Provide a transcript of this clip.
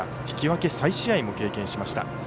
引き分け再試合も経験しました。